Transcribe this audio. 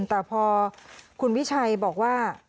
แต่พอคุณวิชัยบอกว่า